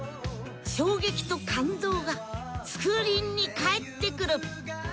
衝撃と感動がスクリーンに帰ってくる。